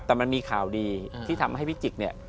แต่มันมีข่าวดีที่ทำให้พิจิกเนี่ย